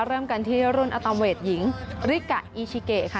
เริ่มกันที่รุ่นอตเวทหญิงริกะอีชิเกค่ะ